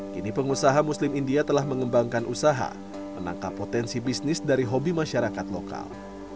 kini pengusaha muslim india telah mengembangkan usaha menangkap potensi bisnis dari hobi masyarakat lokal